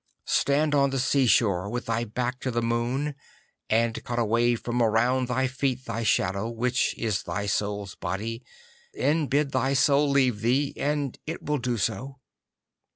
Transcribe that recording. Stand on the sea shore with thy back to the moon, and cut away from around thy feet thy shadow, which is thy soul's body, and bid thy soul leave thee, and it will do so.